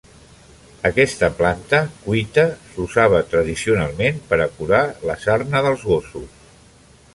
Aquesta planta, cuita, s'usava tradicionalment per a curar la sarna dels gossos.